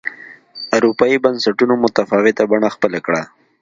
اروپايي بنسټونو متفاوته بڼه خپله کړه.